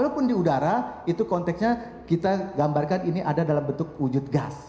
walaupun di udara itu konteksnya kita gambarkan ini ada dalam bentuk wujud gas